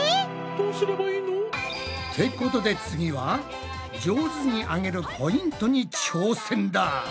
どうすればいいの？ってことで次は上手に揚げるポイントに挑戦だ。